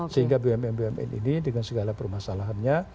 sehingga bumn bumn ini dengan segala permasalahannya